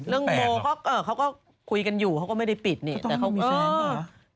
เรื่องโบเขาก็คุยกันอยู่เขาก็ไม่ได้ปิดแต่เขามีแซนก่อน